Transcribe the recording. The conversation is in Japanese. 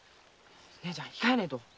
姉ちゃん控えねえと。